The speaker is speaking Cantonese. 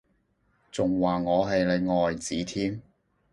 仲話我係你愛子添？